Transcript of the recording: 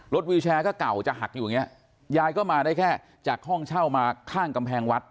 วิวแชร์ก็เก่าจะหักอยู่อย่างเงี้ยายก็มาได้แค่จากห้องเช่ามาข้างกำแพงวัด